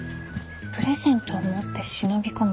プレゼントを持って忍び込む